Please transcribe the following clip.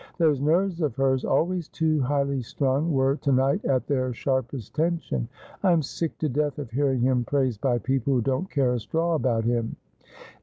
Those nerves of hers, always too highly strung, were to night at their sharpest tension. 'I am sick to; death of hearing him praised by people who don't care a straw about him.'